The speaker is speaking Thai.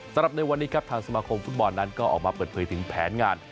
สำหรับในวันนี้ครับทางสมาคมฟุตบอลนั้นก็ออกมาเปิดเผยถึงแผนงาน